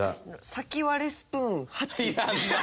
先割れスプーン８。